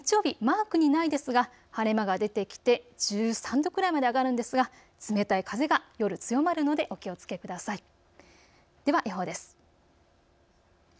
日曜日マークにないですが、晴れ間が出てきて１３度くらいまで上がるんですが冷たい風が夜強まるのでお気をつけください。